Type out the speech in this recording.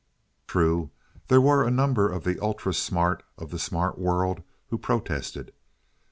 True, there were a number—the ultra smart of the smart world—who protested.